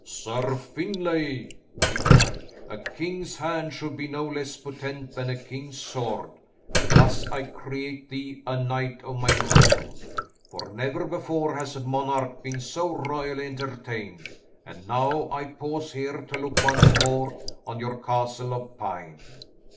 "Sir Finlay," he cried, "a king's hand should be no less potent than a king's sword, and thus I create thee a knight of my realm, for never before has monarch been so royally entertained, and now I pause here to look once more on your castle of pine."